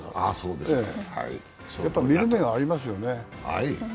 やっぱり見る目がありますよね。